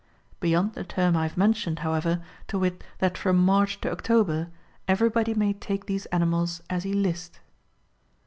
Beyond the term I have mentioned, how ever, to wit that from March to October, everybody may take these animals as he list.